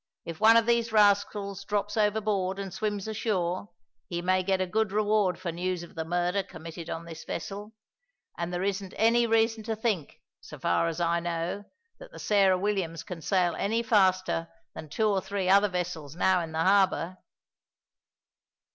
If one of these rascals drops overboard and swims ashore, he may get a good reward for news of the murder committed on this vessel, and there isn't any reason to think, so far as I know, that the Sarah Williams can sail any faster than two or three other vessels now in the harbour."